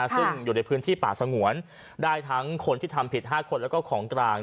ซึ่งอยู่ในพื้นที่ป่าสงวนได้ทั้งคนที่ทำผิด๕คนแล้วก็ของกลาง